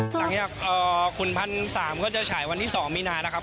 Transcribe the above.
หลังจากขุนพันสามก็จะฉายวันที่๒มีนานะครับ